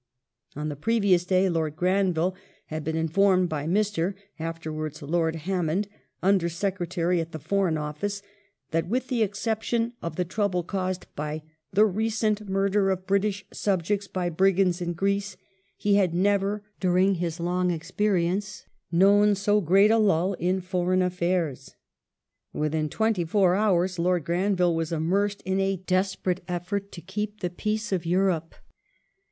On the previous day Lord Granville had been informed by Mr. (afterwards Lord) Hammond, Under Secretary at the Foreign Office, that, with the exception of the trouble caused by " the recent murder of British subjects by brigands in Greece, he had never, during his long experience, known so great a lull in foreign afFaii s".^ Within twenty four hours Lord Granville was immersed in a desperate effort to keep the peace of Europe.